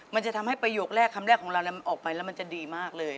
มันจะทำให้ประโยคแรกคำแรกของเรามันออกไปแล้วมันจะดีมากเลย